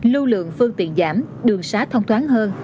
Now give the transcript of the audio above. lưu lượng phương tiện giảm đường xá thông thoáng hơn